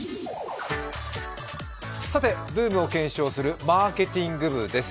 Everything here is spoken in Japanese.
さて、ブームを検証するマーケティング部です。